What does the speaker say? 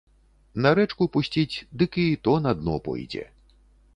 На рэчку пусціць, дык і то на дно пойдзе.